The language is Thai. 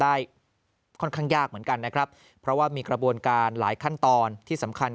ได้ค่อนข้างยากเหมือนกันนะครับเพราะว่ามีกระบวนการหลายขั้นตอนที่สำคัญ